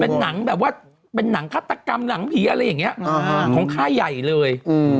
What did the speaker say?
เป็นหนังแบบว่าเป็นหนังฆาตกรรมหนังผีอะไรอย่างนี้ของค่ายใหญ่เลย